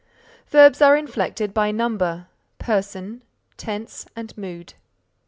Verbs are inflected by number, person, tense and mood.